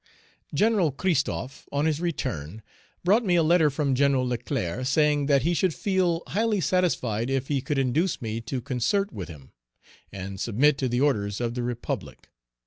Gen. Christophe, on his return, brought me a letter from Gen. Leclerc, saying that he should feel highly satisfied if he could induce me to concert with him, and submit to the orders of the Republic.